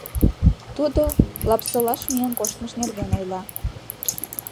Тудо Лапсолаш миен коштмыж нерген ойла.